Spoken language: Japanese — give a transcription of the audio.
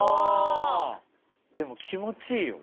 でも気持ちいいよ